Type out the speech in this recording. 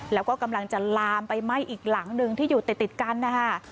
แล้วก็กำลังจะลามไปไหม้อีกหลังหนึ่งที่อยู่ติดกันนะคะ